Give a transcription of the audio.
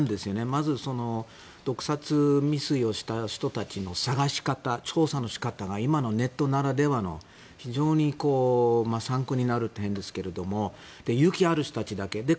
まず、毒殺未遂をした人たちの探し方調査の仕方が今のネットならではの非常に参考になる点ですが勇気ある人たちだけ。